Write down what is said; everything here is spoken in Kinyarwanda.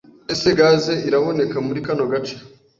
Ese gaze iraboneka muri kano gace?